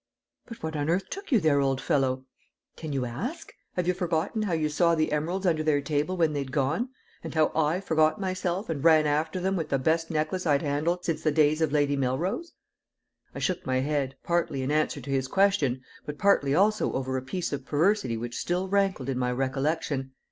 "But what on earth took you there, old fellow?" "Can you ask? Have you forgotten how you saw the emeralds under their table when they'd gone, and how I forgot myself and ran after them with the best necklace I'd handled since the days of Lady Melrose?" I shook my head, partly in answer to his question, but partly also over a piece of perversity which still rankled in my recollection.